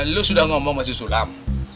lu sudah ngomong masih sulam